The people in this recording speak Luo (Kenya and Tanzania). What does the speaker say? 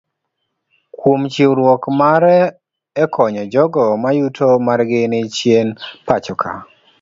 Kuom chiwruok mare ekonyo jogoo mayuto margi ni chien pachoka